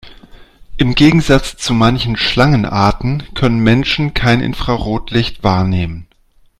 Im Gegensatz zu manchen Schlangenarten können Menschen kein Infrarotlicht wahrnehmen.